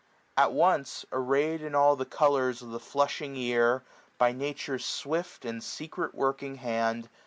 At once, arrayed In all the colours of the flushing year, 95 By Nature's swift and secret working hand.